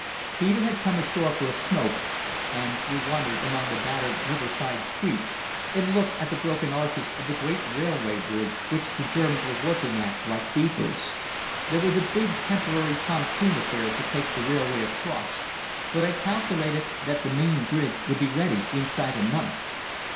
Peter had come ashore for a smoke, and we wandered among the battered riverside streets, and looked at the broken arches of the great railway bridge which the Germans were working at like beavers. There was a big temporary pontoon affair to take the railway across, but I calculated that the main bridge would be ready inside a month.